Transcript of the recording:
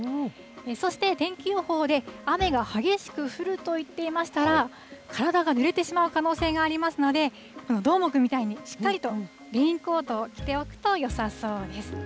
そして、天気予報で、雨が激しく降ると言っていましたら、体がぬれてしまう可能性がありますので、どーもくんみたいに、しっかりとレインコートを着ておくとよさそうです。